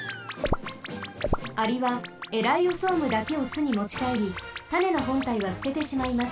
アリはエライオソームだけをすにもちかえりたねのほんたいはすててしまいます。